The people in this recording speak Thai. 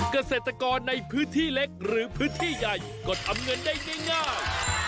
เกษตรกรในพื้นที่เล็กหรือพื้นที่ใหญ่ก็ทำเงินได้ง่าย